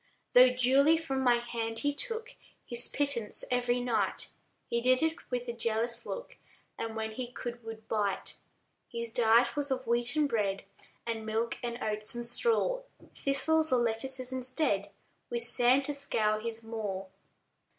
Though duly from my hand he took His pittance every night, He did it with a jealous look, And, when he could, would bite. His diet was of wheaten bread, And milk, and oats, and straw; Thistles, or lettuces instead, With sand to scour his maw.